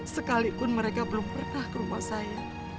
sekalipun mereka belum pernah ke rumah saya